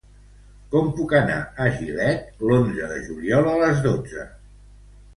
Com puc anar a Gilet l'onze de juliol a les dotze?